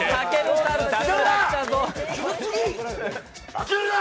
負けるな！